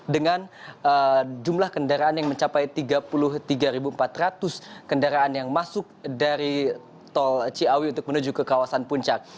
dengan jumlah kendaraan yang mencapai tiga puluh tiga empat ratus kendaraan yang masuk dari tol ciawi untuk menuju ke kawasan puncak